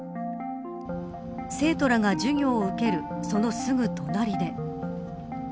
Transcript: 生徒らが授業を受けるそのすぐ隣で。